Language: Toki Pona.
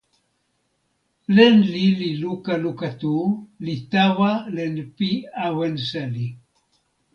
len lili luka luka tu li tawa len pi awen seli.